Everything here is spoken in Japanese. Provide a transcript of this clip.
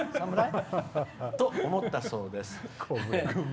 「と思ったそうです。